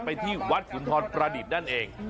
ที่วัดสุนทรประดิษฐ์นั่นเอง